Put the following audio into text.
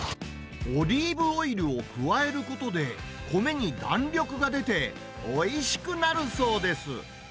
オリーブオイルを加えることで、米に弾力が出て、おいしくなるそうです。